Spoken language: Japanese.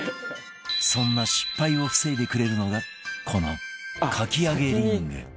そんな失敗を防いでくれるのがこのかき揚げリング